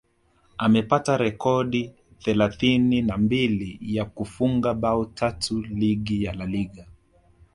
amepata rekodi thelathini na mbili ya kufunga bao tatu ligi ya La Liga